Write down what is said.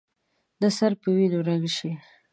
نه سر په وینو رنګ شي.